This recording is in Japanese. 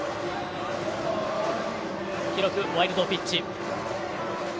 記録、ワイルドピッチ。